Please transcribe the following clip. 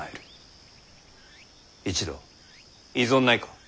一同異存ないか。